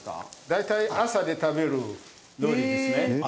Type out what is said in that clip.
大体朝で食べる料理ですね。